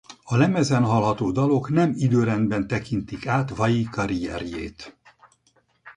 A lemezen hallható dalok nem időrendben tekintik át Vai karrierjét.